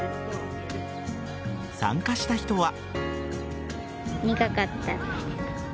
参加した人は。